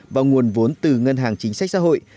và nguồn vốn từ ngân hàng chính sách xã hội